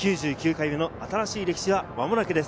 ９９回目の新しい歴史は間もなくです。